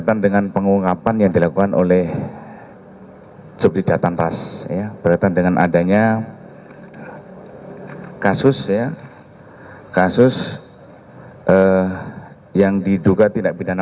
tahan dulu tahan